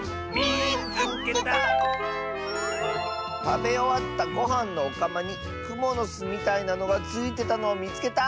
「たべおわったごはんのおかまにくものすみたいなのがついてたのをみつけた！」。